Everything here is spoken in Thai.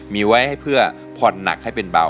มีไว้ให้เพื่อผ่อนหนักให้เป็นเบา